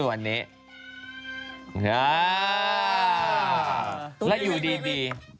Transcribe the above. แล้วอยู่ดี